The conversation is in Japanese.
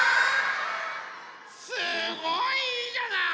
すごいいいじゃない！